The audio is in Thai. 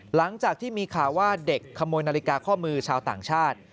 หลังจากที่มีข่าวว่าเด็กขโมยนาฬิกาข้อมือชาวต่างชาติ